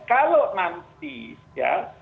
kalau nanti ya